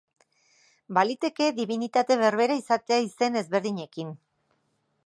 Baliteke dibinitate berbera izatea izen ezberdinekin.